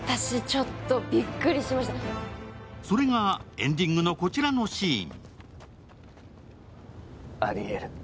それがエンディングのこちらのシーン。